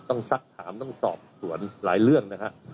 ต้องซักถามต้องสอบส่วนหลายเรื่องนะครับ